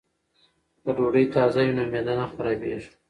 که ډوډۍ تازه وي نو معده نه خرابیږي.